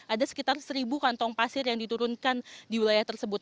ada sekitar seribu kantong pasir yang diturunkan di wilayah tersebut